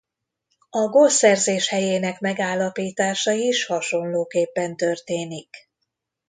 A gólszerzés helyének megállapítása is hasonlóképpen történik.